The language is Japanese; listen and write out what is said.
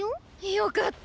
よかった。